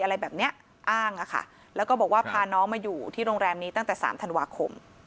อะไรแบบเนี้ยอ้างอะค่ะแล้วก็บอกว่าพาน้องมาอยู่ที่โรงแรมนี้ตั้งแต่๓ธันวาคม